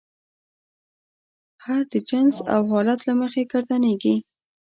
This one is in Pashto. هر د جنس او حالت له مخې ګردانیږي.